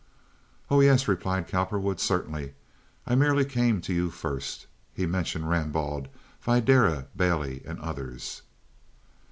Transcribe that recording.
"Oh yes," replied Cowperwood. "Certainly. I merely came to you first." He mentioned Rambaud, Videra, Bailey, and others.